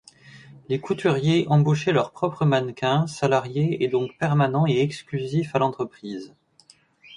Les couturiers embauchaient leurs propres mannequins, salariés et donc permanents et exclusifs à l'entreprise.